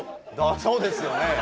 そうですよね。